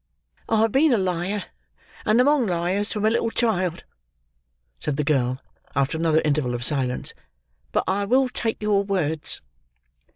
"I have been a liar, and among liars from a little child," said the girl after another interval of silence, "but I will take your words."